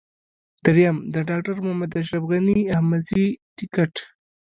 درېم: د ډاکټر محمد اشرف غني احمدزي ټکټ.